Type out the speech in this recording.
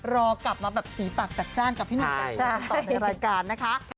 รอกลับมาแบบสีปักสักจ้านกับพี่มดดำบอกตอนในรายการนะคะ